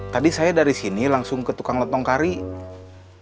tadi saya dari sini langsung ke tukang lontong kari